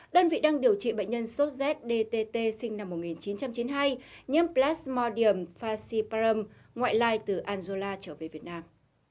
đơn vị đang điều trị bệnh nhân sốt zdtt sinh năm một nghìn chín trăm chín mươi hai nhiễm plasmodium faciparum ngoại lai từ angola trở về việt nam